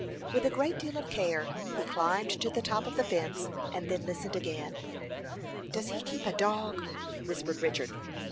With a great deal of care, he climbed to the top of the fence, and then listened again. "Does he keep a dog?" whispered Richard.